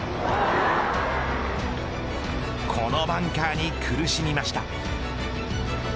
このバンカーに苦しみました。